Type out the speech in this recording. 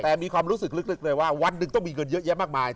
แต่มีความรู้สึกลึกเลยว่าวันหนึ่งต้องมีเงินเยอะแยะมากมาย